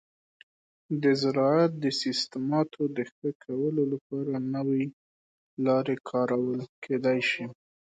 د زراعت د سیستماتو د ښه کولو لپاره نوي لارې کارول کیدی شي.